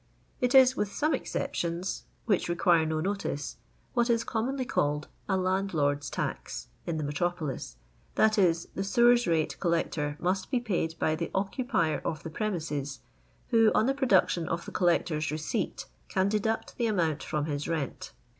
It is (with some exceptions, which require no notice) what is commonly called " a landlord's tax" in the metropolis, that is, the sewers rate collector must be paid by the occupier of the pre mises, who, on the production of the collector's receipt, can deduct the amount from his rent.